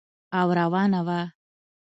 او روانه وه.